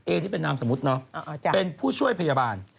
ที่เป็นนามสมมุติเนาะเป็นผู้ช่วยพยาบาล